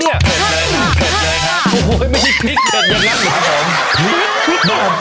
เผ็ดเลยนะครับโอ้โหไม่มีพลิกอยู่ตรงล่างแหละครับผม